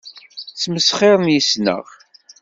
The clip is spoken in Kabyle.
Smesxiren yes-neɣ.